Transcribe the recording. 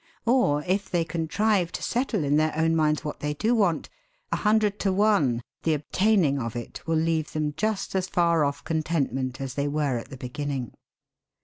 Or, if they contrive to settle in their own minds what they do want, a hundred to one the obtaining of it will leave them just as far off contentment as they were at the beginning!